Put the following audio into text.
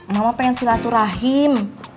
mama pengen silaturahim